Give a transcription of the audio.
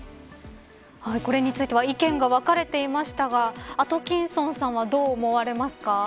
これについては意見が分かれていましたがアトキンソンさんはどう思われますか。